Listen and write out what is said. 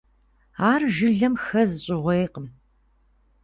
Ар жылэм хэз щӏыгъуейкъым.